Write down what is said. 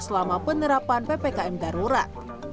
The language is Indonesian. selama penerapan ppkm darurat